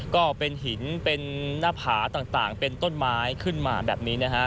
ก็เป็นหินเป็นหน้าผาต่างเป็นต้นไม้ขึ้นมาแบบนี้นะฮะ